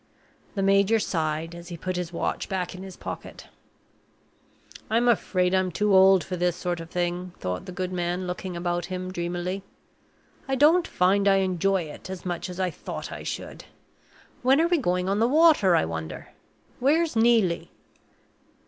The major sighed as he put his watch back in his pocket. "I'm afraid I'm too old for this sort of thing," thought the good man, looking about him dreamily. "I don't find I enjoy it as much as I thought I should. When are we going on the water, I wonder? Where's Neelie?"